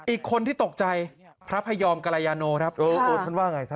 อีกคนที่ตกใจพระพะยอมกระยายนโมท่านว่าอย่างไร